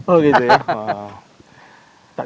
oh gitu ya